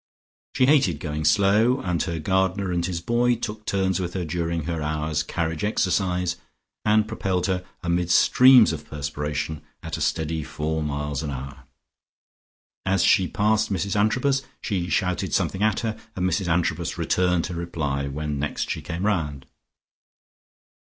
She hated going slow, and her gardener and his boy took turns with her during her hour's carriage exercise, and propelled her, amid streams of perspiration, at a steady four miles an hour. As she passed Mrs Antrobus she shouted something at her, and Mrs Antrobus returned her reply, when next she came round.